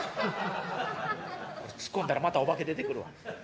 ツッコんだらまたお化け出てくるわ」。